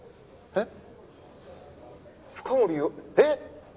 えっ？